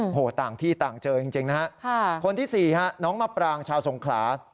โอ้โหต่างที่ต่างเจอจริงนะฮะคนที่สี่ฮะน้องมะปรางชาวสงขลา